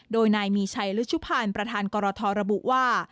โดยนายมีชัยรุชุพันธ์ประธานกรทระบุว่า